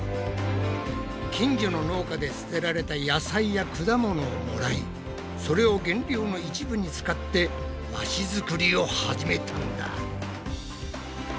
近所の農家で捨てられた野菜や果物をもらいそれを原料の一部に使って和紙作りを始めたんだ。